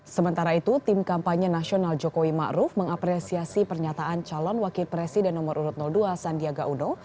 sementara itu tim kampanye nasional jokowi ⁇ maruf ⁇ mengapresiasi pernyataan calon wakil presiden nomor urut dua sandiaga uno